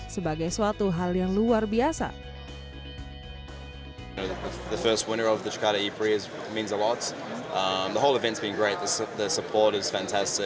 sebagai suatu hal yang luar biasa